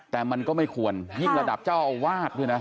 แต่มันก็ไม่ควรยิ่งระดับเจ้าอาวาสด้วยนะ